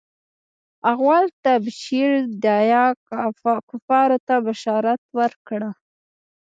اول تبشير ديه کفارو ته بشارت ورکړه.